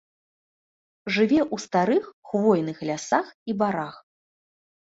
Жыве ў старых хвойных лясах і барах.